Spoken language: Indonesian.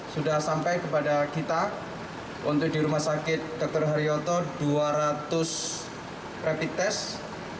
sudah sampai kepada kita untuk di rumah sakit dr haryoto dua ratus rapid test